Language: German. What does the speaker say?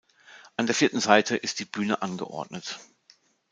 An der vierten Seite ist die Bühne angeordnet.